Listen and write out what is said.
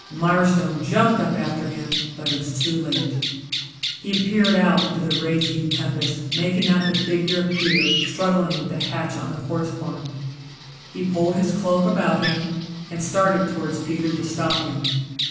Mirestone jumped up after him, but it was too late. He peered out into the raging tempest making out the figure of Peter struggling with the hatch on the horse barn. He pulled his cloak about him and started towards Peter to stop him.